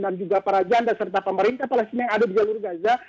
dan juga para janda serta pemerintah palestina yang ada di jalur gaza